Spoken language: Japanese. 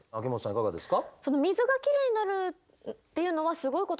いかがですか？